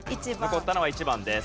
残ったのは１番です。